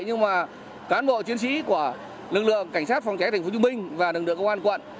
nhưng mà cán bộ chiến sĩ của lực lượng cảnh sát phòng cháy tp hcm và lực lượng công an quận